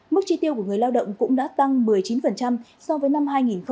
mức chi tiêu của người lao động cũng đã tăng một mươi chín so với năm hai nghìn một mươi bảy